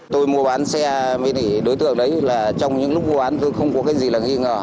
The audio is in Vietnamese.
tôi mua bán xe mới để đối tượng đấy là trong những lúc mua bán tôi không có cái gì là nghi ngờ